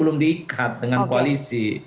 belum diikat dengan koalisi